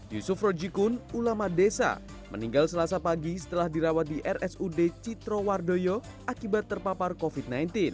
yusuf rojikun ulama desa meninggal selasa pagi setelah dirawat di rsud citrowardoyo akibat terpapar covid sembilan belas